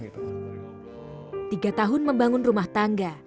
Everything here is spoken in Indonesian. tiga tahun membangun rumah tangga